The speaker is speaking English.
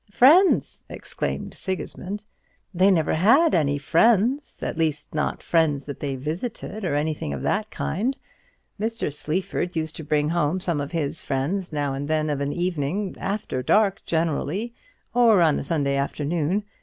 "Friends!" exclaimed Sigismund; "they never had any friends at least not friends that they visited, or anything of that kind. Mr. Sleaford used to bring home some of his friends now and then of an evening, after dark generally, or on a Sunday afternoon.